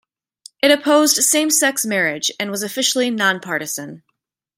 It opposed same-sex marriage, and was officially non-partisan.